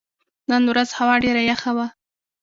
نن ورځ هوا ډېره یخه وه.